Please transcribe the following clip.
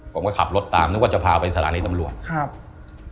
ผมก็ขับรถตามนึกว่าจะพาไปสถานีตำรวจครับ